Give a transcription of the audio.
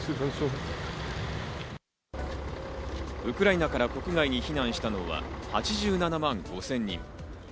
ウクライナから国外に避難したのは８７万５０００人。